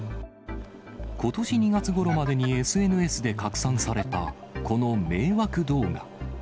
ことし２月ごろまでにＳＮＳで拡散された、この迷惑動画。